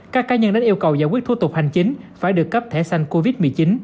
các cá nhân đã yêu cầu giải quyết thủ tục hành chính phải được cấp thẻ xanh covid một mươi chín